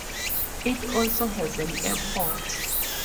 It also has an airport.